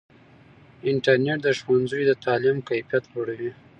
انټرنیټ د ښوونځیو د تعلیم کیفیت لوړوي.